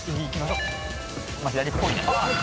左っぽいね。